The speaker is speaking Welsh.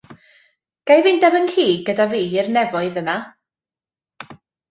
Ga i fynd â fy nghi gyda fi i'r nefoedd yma?